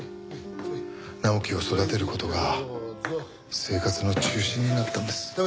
直樹を育てる事が生活の中心になったんです。